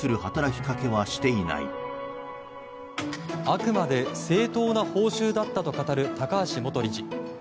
あくまで正当な報酬だったと語る高橋元理事。